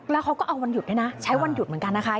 แล้วเขาก็เอาวันหยุดด้วยนะใช้วันหยุดเหมือนกันนะคะ